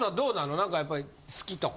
何かやっぱり好きとか。